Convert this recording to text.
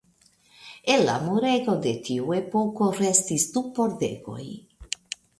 El la murego de tiu epoko restis du pordegoj.